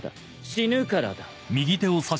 死ぬからだ。